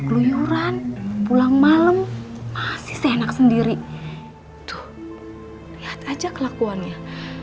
lihat aja kelakuannya